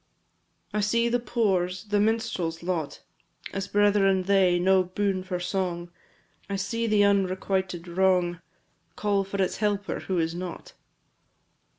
I see the poor's the minstrel's lot As brethren they no boon for song! I see the unrequited wrong Call for its helper, who is not.